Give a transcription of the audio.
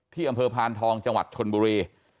อำเภอพานทองจังหวัดชนบุรี